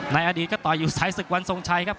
ในอดีตก็ต่อยอยู่ท้ายศึกวันทรงชัยครับ